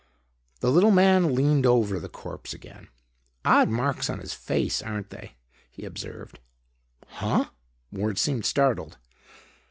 The little man leaned over the corpse again. "Odd marks on his face, aren't they?" he observed. "Huh?" Ward seemed startled.